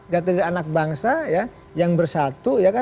jati diri anak bangsa yang bersatu